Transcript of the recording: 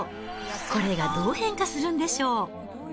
これがどう変化するんでしょう。